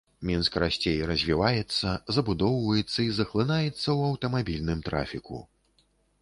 Мінск расце і развіваецца, забудоўваецца і захлынаецца ў аўтамабільным трафіку.